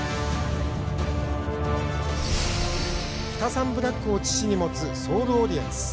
キタサンブラックを父に持つソールオリエンス。